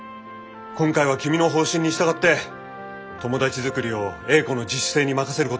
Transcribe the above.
今回は君の方針に従って友達作りを英子の自主性に任せることにしよう。